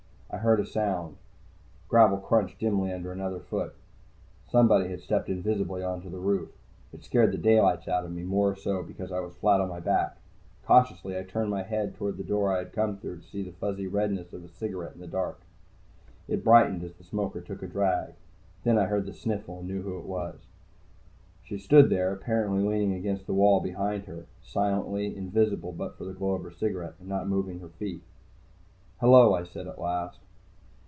I heard a sound. Gravel crunched dimly under another foot. Somebody had stepped invisibly onto the roof. It scared the daylights out of me, more so because I was flat on my back. Cautiously I turned my head toward the door I had come through. I could see the fuzzy redness of a cigarette in the dark. It brightened as the smoker took a drag. Then I heard the sniffle, and knew who it was. She stood there, apparently leaning against the wall behind her, silently, invisible but for the glow of her cigarette, and not moving her feet. "Hello," I said at last.